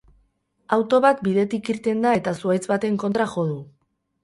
Auto bat bidetik irten da eta zuhaitz baten kontra jo du.